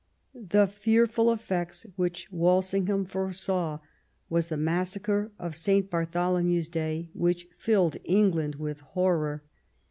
'* The "fearful effects," which Walsingham foresaw, was the massacre of St. Bartholomew's Day, which filled England with horror.